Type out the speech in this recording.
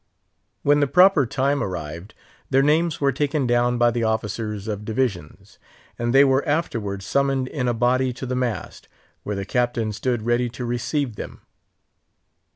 When the proper time arrived, their names were taken down by the officers of divisions, and they were afterward summoned in a body to the mast, where the Captain stood ready to receive them.